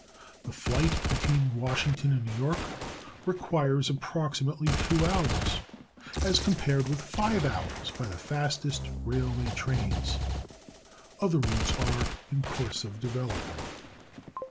The flight between Washington and New York requires approximately two hours, as compared with five hours by the fastest railway trains. Other routes are in course of development.